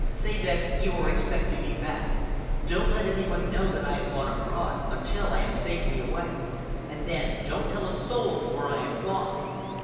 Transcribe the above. Say that you are expecting me back. Don't let any one know that I have gone abroad, until I am safely away. And then don't tell a soul where I have gone."